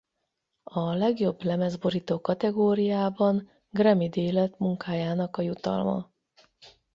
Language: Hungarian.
A legjobb lemezborító kategóriában Grammy-díj lett munkájának a jutalma.